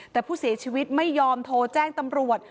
แต่ผู้เสียชีวิตไม่ยอมโทรแจ้งตำรวจ